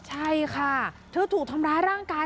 ใช่ค่ะเธอถูกทำร้ายร่างกาย